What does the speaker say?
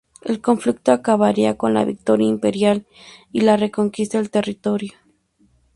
El conflicto acabaría con la victoria imperial y la reconquista del territorio.